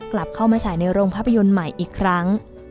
กลับเข้ามาฉายในโรงภาพยนตร์ใหม่อีกครั้ง